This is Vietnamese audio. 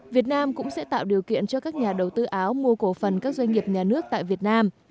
việt nam cũng sẽ tạo điều kiện cho các nhà đầu tư áo mua cổ phần các doanh nghiệp nhà nước tại việt nam